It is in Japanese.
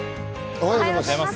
おはようございます。